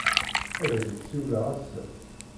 Ad ak-d-siwleɣ ass-a.